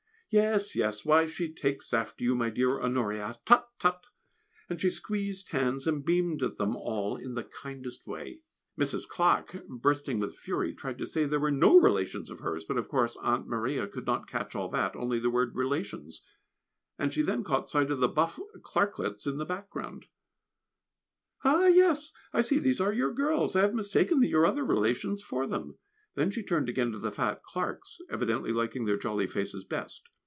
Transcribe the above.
"Yes, yes; why, she takes after you, my dear Honoria, tut, tut!" and she squeezed hands, and beamed at them all in the kindest way. Mrs. Clarke, bursting with fury, tried to say they were no relations of hers; but, of course, Aunt Maria could not catch all that, only the word "relations," and she then caught sight of the buff Clarklets in the background. [Sidenote: A Friendly Invitation] "Ah, yes! I see, these are your girls; I have mistaken your other relations for them." Then she turned again to the fat Clarks, evidently liking their jolly faces best.